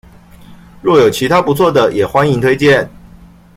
若有其他不錯的也歡迎推薦